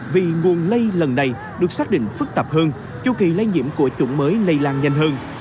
vì nguồn lây lần này được xác định phức tạp hơn chu kỳ lây nhiễm của chủng mới lây lan nhanh hơn